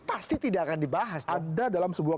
pasti tidak akan dibahas ada dalam sebuah